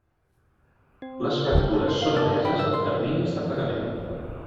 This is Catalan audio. Les factures són emeses amb terminis de pagament.